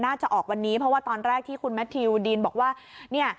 น่าจะออกวันนี้เพราะว่าตอนแรกที่คุณแมททิวดีนบอกว่าเนี่ย